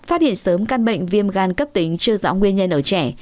phát hiện sớm căn bệnh viêm gan cấp tính chưa rõ nguyên nhân ở trẻ